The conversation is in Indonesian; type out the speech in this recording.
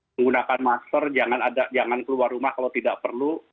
menggunakan master jangan keluar rumah kalau tidak perlu